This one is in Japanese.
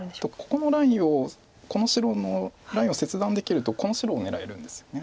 ここのラインをこの白のラインを切断できるとこの白を狙えるんですよね。